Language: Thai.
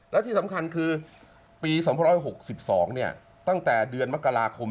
และที่สำคัญคือปี๒๖๒ตั้งแต่เดือนมกราคม